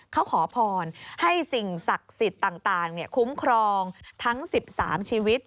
เขาขอพรให้สิ่งศักดิ์สิทธิ์ต่างคุ้มครองทั้ง๑๓ชีวิต